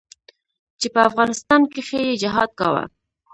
چې په افغانستان کښې يې جهاد کاوه.